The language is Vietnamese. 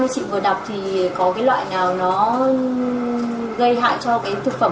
cho bốn hết ạ